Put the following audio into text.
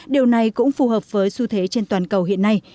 điều này cũng phù hợp với xu thế trên toàn cầu hiện nay